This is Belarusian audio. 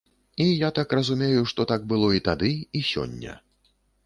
І я так разумею, што так было і тады, і сёння.